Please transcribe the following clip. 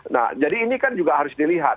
nah jadi ini kan juga harus dilihat